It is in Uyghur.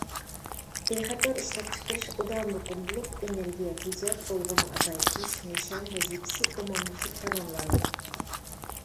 بىخەتەر ئىشلەپچىقىرىش ئۇدا مۇقىم بولۇپ، ئېنېرگىيە تېجەپ بۇلغىما ئازايتىش نىشان ۋەزىپىسى ئومۇميۈزلۈك تاماملاندى.